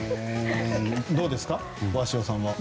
どうですか、鷲尾さんは。